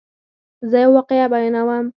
زه یوه واقعه بیانوم.